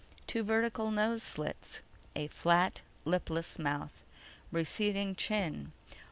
Two vertical nose slits. A flat, lipless mouth. Receding chin.